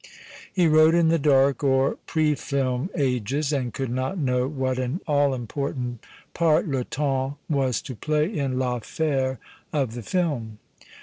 He wrote in the dark or pre film ages, and could not know what an all important part le temps was to play in Vaffnire of the film.